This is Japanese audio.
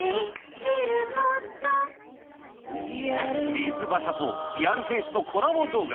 水バシャとＲｅａｌＦａｃｅ＃２のコラボ動画。